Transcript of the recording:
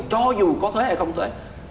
cho dù có thuế hay không thuế